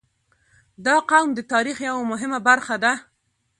• دا قوم د تاریخ یوه مهمه برخه ده.